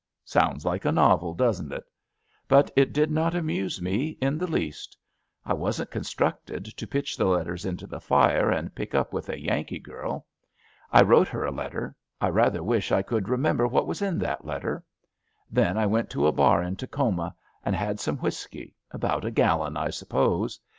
Sounds like a novel, doesn't it? But it did not amuse me in the least. I wasn't constructed to pitch the letters into the fire and pick up with a Yankee girl. I wrote her a letter ; I rather wish I could remember what was in that letter. Then I went to ^ bar in Tacoma and had some whisky, about a gallon, I suppose.